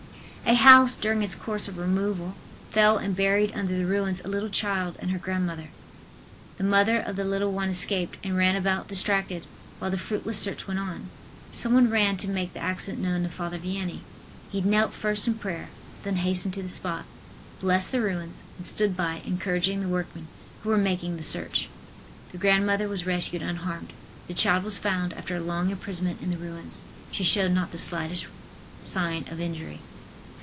A house, during its course of removal, fell and buried under the ruins a little child and her grandmother. The mother of the little one escaped and ran about distracted, while the fruitless search went on. Some one ran to make the accident known to Father Vianney. He knelt first in prayer, then hastened to the spot, blessed the ruins, and stood by encouraging the workmen, who were making the search. The grandmother was rescued unharmed. The child was found after a longer imprisonment in the ruins. She showed not the slightest sign of injury.